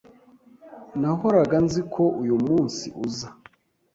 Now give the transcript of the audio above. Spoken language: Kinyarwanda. Nahoraga nzi ko uyumunsi uza.